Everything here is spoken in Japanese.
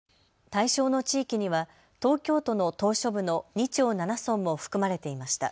対象の地域には東京都の島しょ部の２町７村も含まれていました。